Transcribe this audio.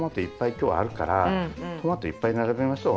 今日あるからトマトいっぱい並べましょう。